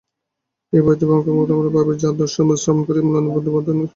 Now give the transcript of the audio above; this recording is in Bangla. বিবাহার্থী ব্রাহ্মণকুমারেরাও ভাবিভার্যার অদর্শনবার্তা শ্রবণ করিয়া ম্লান বদনে তথায় উপস্থিত হইল।